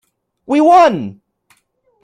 We won!